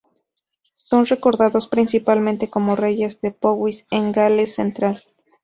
Son recordados principalmente como reyes de Powys en Gales central.